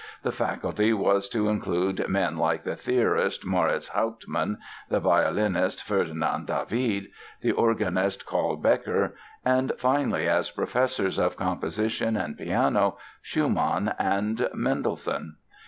The faculty was to include men like the theorist Moritz Hauptmann, the violinist, Ferdinand David, the organist, Carl Becker and finally, as professors of composition and piano, Schumann and Mendelssohn.